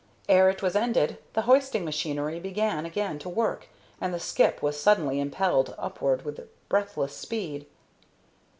Ere it was ended, the hoisting machinery began again to work, and the skip was suddenly impelled upward with breathless speed.